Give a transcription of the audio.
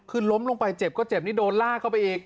คือล้มลงไปเจ็บก็เจ็บนี่โดนลากเข้าไปอีก